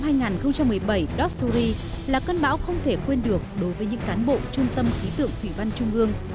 bão số một mươi năm hai nghìn một mươi bảy do suri là cơn bão không thể quên được đối với những cán bộ trung tâm khí tượng thủy văn trung ương